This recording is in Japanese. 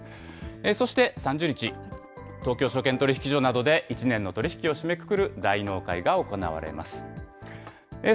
そして３０日、東京証券取引所などで１年の取り引きを締めくくる大納会が行われます。